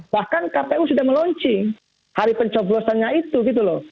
bahkan kpu sudah melunching hari pencoplosannya itu gitu loh